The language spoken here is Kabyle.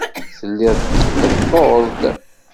Tellid tqeṭṭuḍ-d.